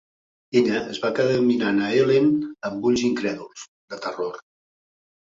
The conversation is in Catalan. Ella es va quedar mirant a Helene amb ulls incrèduls, de terror.